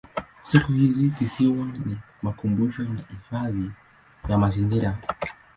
Siku hizi kisiwa ni makumbusho na hifadhi ya mazingira.